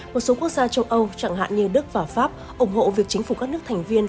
một số quốc gia châu âu chẳng hạn như đức và pháp ủng hộ việc chính phủ các nước thành viên